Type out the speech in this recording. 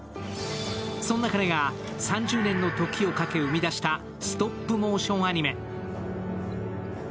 そんな彼が３０年の時をかけ、生み出したストップモーションアニメ。